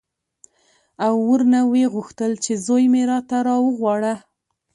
او ورنه ویې غوښتل چې زوی مې راته راوغواړه.